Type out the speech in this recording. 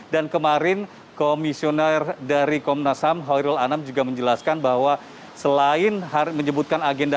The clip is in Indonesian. dan kemarin komisioner dari komnas ham hoirul anam juga menjelaskan bahwa selain menyebutkan agenda